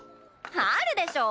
あるでしょ。